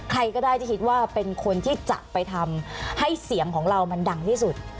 ใครก็ได้ที่คิดว่าเป็นคนที่จะไปทำให้เสียงของเรามันดังที่สุด